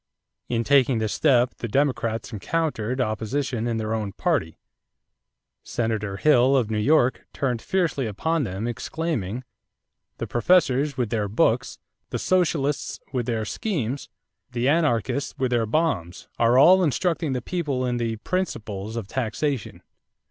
In taking this step, the Democrats encountered opposition in their own party. Senator Hill, of New York, turned fiercely upon them, exclaiming: "The professors with their books, the socialists with their schemes, the anarchists with their bombs are all instructing the people in the ... principles of taxation."